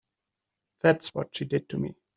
That's what she did to me.